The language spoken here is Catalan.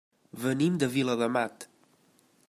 Venim de Viladamat.